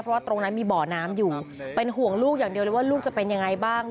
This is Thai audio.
เพราะว่าตรงนั้นมีบ่อน้ำอยู่เป็นห่วงลูกอย่างเดียวเลยว่าลูกจะเป็นยังไงบ้าง